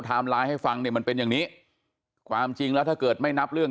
ทำร้ายให้ฟังมันเป็นอย่างนี้ความจริงแล้วถ้าเกิดไม่นับเรื่อง